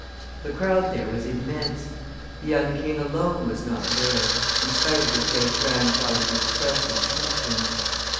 The crowd there was immense; the young king alone was not there, in spite of his great grandfather's express instructions.